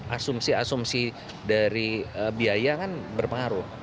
asumsi asumsi dari biaya kan berpengaruh